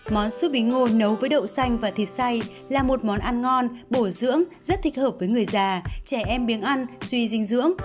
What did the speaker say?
món su bí ngô nấu với đậu xanh và thịt say là một món ăn ngon bổ dưỡng rất thích hợp với người già trẻ em biếng ăn suy dinh dưỡng